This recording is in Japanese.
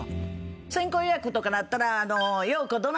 先行予約とかなったら。